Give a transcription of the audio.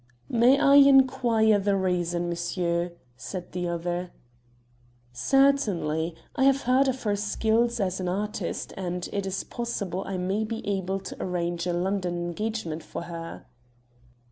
"May I inquire the reason, monsieur?" said the other. "Certainly. I have heard of her skill as an artist, and it is possible I may be able to arrange a London engagement for her."